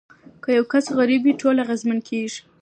که یو کس غریب وي ټول اغیزمن کیږي.